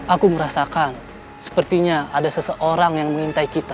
aku merasakan sepertinya ada seseorang yang mengintai kita